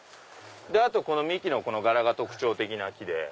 あとこの幹の柄が特徴的な木で。